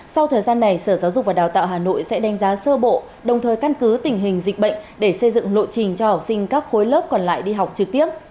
sau thời gian này sở giáo dục và đào tạo hà nội sẽ đánh giá sơ bộ đồng thời căn cứ tình hình dịch bệnh để xây dựng lộ trình cho học sinh các khối lớp còn lại đi học trực tiếp